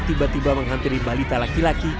tiba tiba menghampiri balita laki laki